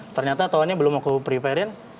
ternyata toanya belum aku prepare in